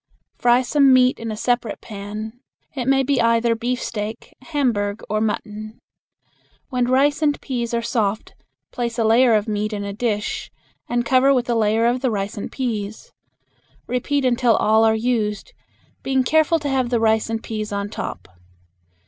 Fry some meat in a separate pan. It may be either beefsteak, Hamburg, or mutton. When rice and peas are soft, place a layer of meat in a dish and cover with a layer of the rice and peas. Repeat until all are used, being careful to have the rice and peas on top.